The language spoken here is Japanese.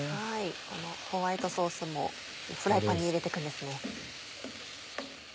このホワイトソースもフライパンに入れていくんですね。